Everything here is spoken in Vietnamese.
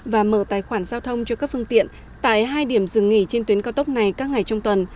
và mở tài khoản giao thông cho các phương tiện tại hai điểm dừng nghỉ trên tuyến cao tốc này các ngày trong tuần